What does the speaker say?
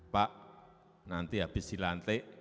pak nanti habis dilantik